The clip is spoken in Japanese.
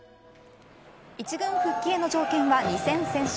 １軍復帰への条件は２戦先勝。